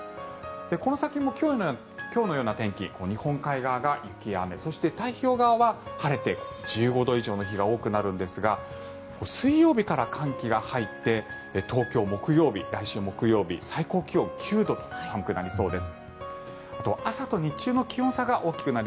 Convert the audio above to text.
この先も今日のような天気日本海側が雪や雨そして太平洋側は晴れて、１５度以上の日が多くなるんですが水曜日から寒気が入って東京は来週の木曜日最高気温９度と寒くなりそうです。